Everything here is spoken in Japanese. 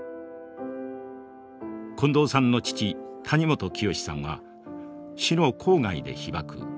近藤さんの父谷本清さんは市の郊外で被爆。